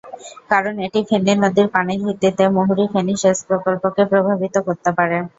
কারণ এটি ফেনী নদীর পানির ভিত্তিতে মুহুরী-ফেনী সেচ প্রকল্পকে প্রভাবিত করতে পারে।